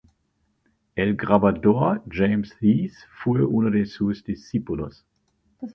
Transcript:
El grabador James Heath fue uno de sus discípulos.